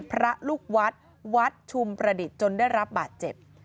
พระลูกวัดวัดชุมประดิษฐ์จนได้รับบาดเจ็บ